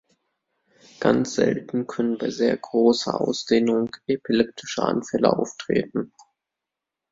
Ganz selten können bei sehr großer Ausdehnung epileptische Anfälle auftreten.